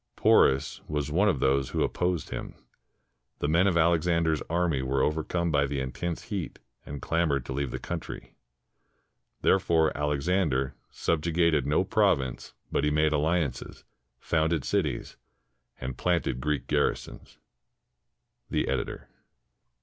Porus was one of those who opposed him. The men of Alexander's army were overcome by the intense heat and clamored to leave the country. Therefore Alexander "subjugated no province, but he made alliances, founded cities, and planted Greek garrisons." The Editor.